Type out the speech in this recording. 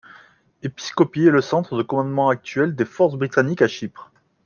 Episkopi est le centre de commandement actuel des forces britanniques à Chypre.